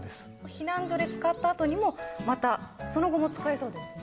避難所で使ったあとにもまたその後も使えそうですね？